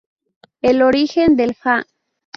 El origen del Ha!